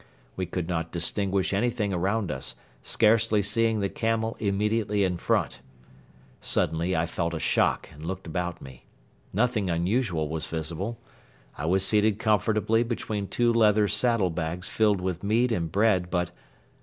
We could not distinguish anything around us, scarcely seeing the camel immediately in front. Suddenly I felt a shock and looked about me. Nothing unusual was visible. I was seated comfortably between two leather saddle bags filled with meat and bread but